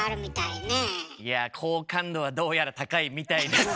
いや好感度はどうやら高いみたいです。